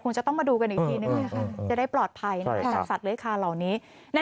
จะต้องมาดูกันอีกทีนึงจะได้ปลอดภัยจากสัตว์เลื้อยคาเหล่านี้